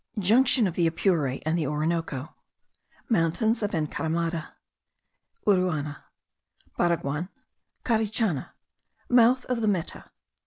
JUNCTION OF THE APURE AND THE ORINOCO. MOUNTAINS OF ENCARAMADA. URUANA. BARAGUAN. CARICHANA. MOUTH OF THE META.